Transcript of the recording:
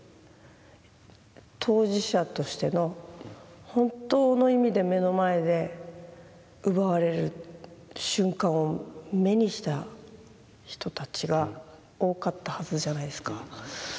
当事者としての本当の意味で目の前で奪われる瞬間を眼にした人たちが多かったはずじゃないですか。